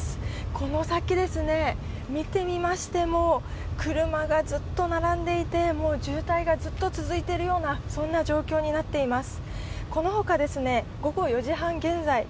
この先、見てみましても車がずっと並んでいて渋滞がずっと続いているような状況になっています。